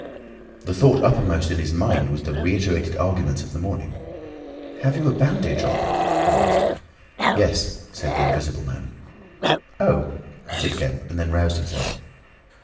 The thought uppermost in his mind was the reiterated arguments of the morning. "Have you a bandage on?" he asked. "Yes," said the Invisible Man. "Oh!" said Kemp, and then roused himself.